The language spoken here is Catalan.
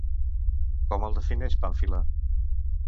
Com el defineix Pàmfila?